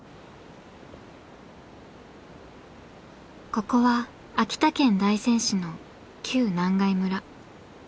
ここは秋田県大仙市の旧・南外村。